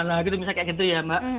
misalnya kayak gitu ya mbak